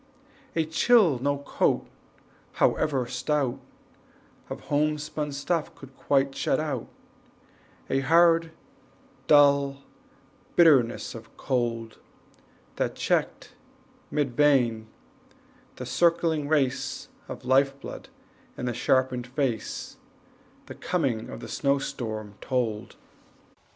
A chill no coat, however stout, Of homespun stuff could quite, shut out, A hard, dull bitterness of cold, That checked, mid vein, the circling race Of life blood in the sharpened face, The coming of the snow storm told.